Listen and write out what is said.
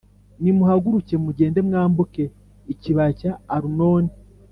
Nimuhaguruke mugende mwambuke ikibaya cya Arunoni.